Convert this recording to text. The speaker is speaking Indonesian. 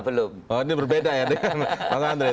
ini berbeda ya dengan pak andre